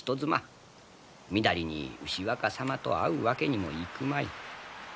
みだりに牛若様と会うわけにもいくまい。